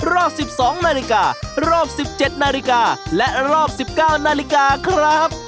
รอบ๑๒นาฬิการอบ๑๗นาฬิกาและรอบ๑๙นาฬิกาครับ